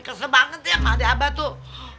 kesel banget ya mah adek abah tuh